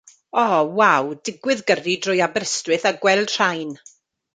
Oh waw, digwydd gyrru drwy Aberystwyth a gweld rhain.